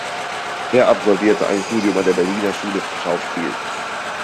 Er absolvierte ein Studium an der Berliner Schule für Schauspiel.